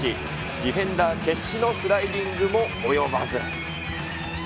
ディフェンダー決死のスライディングも及ばず。